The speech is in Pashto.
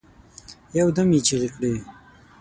یو دم یې چیغي کړې